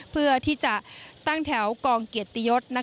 เพื่อที่จะตั้งแถวกองเกียรติยศ